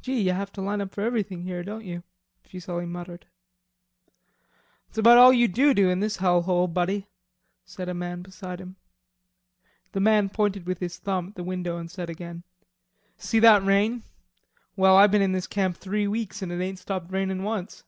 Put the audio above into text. "Gee, you have to line up for everything here, don't you?" Fuselli muttered. "That's about all you do do in this hell hole, buddy," said a man beside him. The man pointed with his thumb at the window and said again: "See that rain? Well, I been in this camp three weeks and it ain't stopped rainin' once.